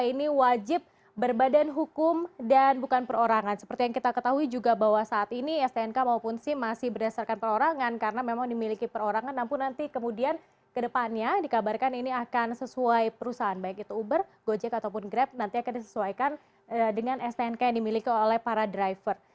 dan yang kedua kita akan lihat bagaimana stnk juga ini wajib berbadan hukum dan bukan perorangan seperti yang kita ketahui juga bahwa saat ini stnk maupun sim masih berdasarkan perorangan karena memang dimiliki perorangan namun nanti kemudian ke depannya dikabarkan ini akan sesuai perusahaan baik itu uber gojek ataupun grab nanti akan disesuaikan dengan stnk yang dimiliki oleh para driver